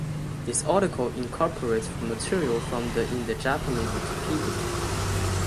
This article incorporates material from the in the Japanese Wikipedia.